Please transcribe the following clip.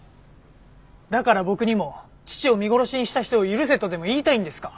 だから僕にも父を見殺しにした人を許せとでも言いたいんですか？